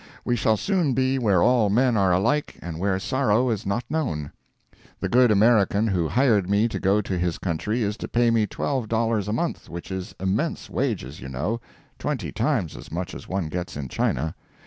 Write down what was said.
We shall soon be where all men are alike, and where sorrow is not known. The good American who hired me to go to his country is to pay me $12 a month, which is immense wages, you know—twenty times as much as one gets in China.